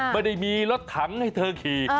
ไม่ได้มีรถถังให้เธอขี่